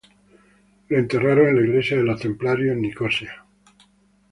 Fue enterrado en la Iglesia de los Templarios, en Nicosia.